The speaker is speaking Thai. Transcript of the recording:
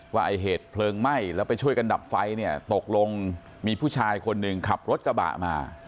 ไอ้เหตุเพลิงไหม้แล้วไปช่วยกันดับไฟเนี่ยตกลงมีผู้ชายคนหนึ่งขับรถกระบะมา